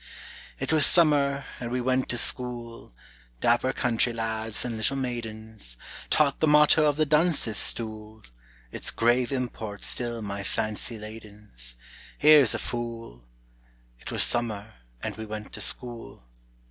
It was summer, and we went to school, Dapper country lads and little maidens; Taught the motto of the "Dunce's Stool," Its grave import still my fancy ladens, "Here's a fool!" It was summer, and we went to school.